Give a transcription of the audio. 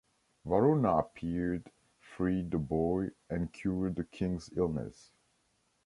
Varuna appeared, freed the boy and cured the King’s illness.